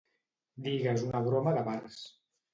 Digues una broma de bars.